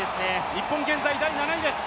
日本、現在第７位です。